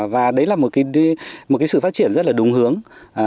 và đấy là một cái sự phát triển rất là đúng hướng